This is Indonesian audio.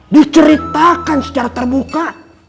diceritakan secara terbuka